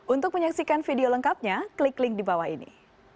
untuk menyaksikan video lengkapnya klik link di bawah ini